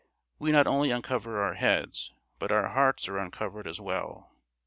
We not only uncover our heads, but our hearts are uncovered as well.